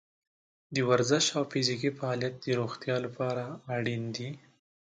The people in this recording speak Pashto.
د ورزش او فزیکي فعالیت د روغتیا لپاره اړین دی.